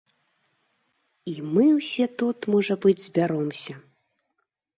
І мы ўсе тут, можа быць, збяромся.